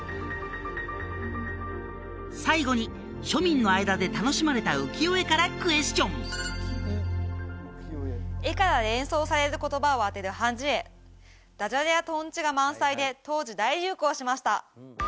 最後に庶民の間で楽しまれた浮世絵からクエスチョン絵から連想される言葉を当てる判じ絵ダジャレやとんちが満載で当時大流行しました